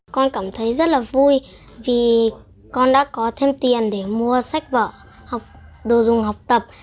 con cảm thấy rất là vui vì con đã có thêm tiền để mua sách vở đồ dùng học tập